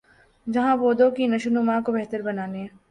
جہاں پودوں کی نشوونما کو بہتر بنانے